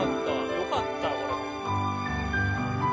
よかったこれ。